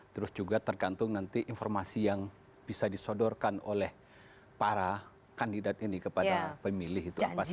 terus juga tergantung nanti informasi yang bisa disodorkan oleh para kandidat ini kepada pemilih itu apa saja